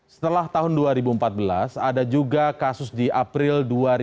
setelah tahun dua ribu empat belas ada juga kasus di april dua ribu dua puluh